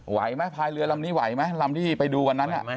ไหวไหมพายเรือลำนี้ไหวไหมลำที่ไปดูวันนั้น